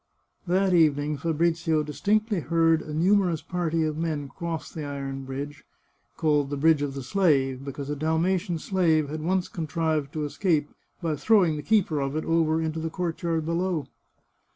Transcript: That evening Fabrizio distinctly heard a numerous party of men cross the iron bridge — called the " Bridge of the Slave," because a Dalmatian slave had once contrived to escape by throwing the keeper of it over into the courtyard below.